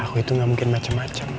aku itu gak mungkin macem macem